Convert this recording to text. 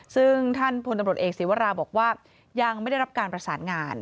ซึ่งท่านพลตำรวจเอกศีวราบอกว่ายังไม่ได้รับการประสานงาน